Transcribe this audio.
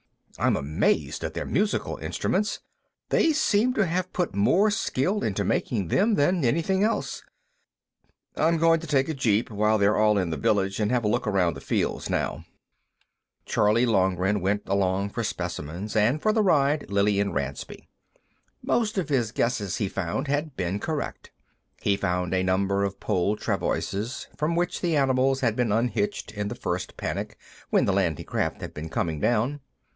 I'm amazed at their musical instruments; they seem to have put more skill into making them than anything else. I'm going to take a jeep, while they're all in the village, and have a look around the fields, now." Charley Loughran went along for specimens, and, for the ride, Lillian Ransby. Most of his guesses, he found, had been correct. He found a number of pole travoises, from which the animals had been unhitched in the first panic when the landing craft had been coming down.